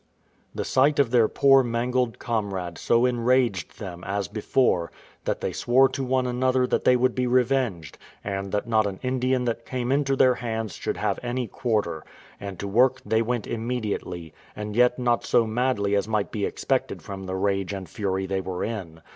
The sight of their poor mangled comrade so enraged them, as before, that they swore to one another that they would be revenged, and that not an Indian that came into their hands should have any quarter; and to work they went immediately, and yet not so madly as might be expected from the rage and fury they were in.